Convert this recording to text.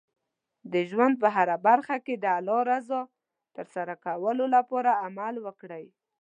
د ژوند په هره برخه کې د الله رضا ترلاسه کولو لپاره عمل وکړئ.